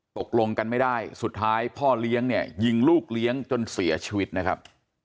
ตกลงกันไม่ได้สุดท้ายพ่อเลี้ยงเนี่ยยิงลูกเลี้ยงจนเสียชีวิตนะครับ